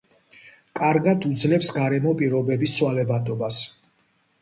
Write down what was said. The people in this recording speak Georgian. კარგად უძლებს გარემო პირობების ცვალებადობას.